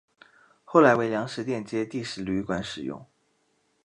后来为粮食店街第十旅馆使用。